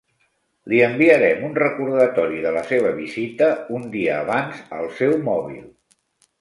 Li enviarem un recordatori de la seva visita un dia abans al seu mòbil.